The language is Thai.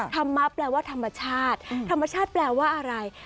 ธรรมะแปลว่าธรรมชาติธรรมชาติแปลว่าอะไร